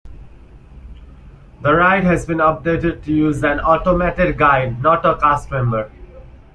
The ride has been updated to use an automated guide, not a cast-member.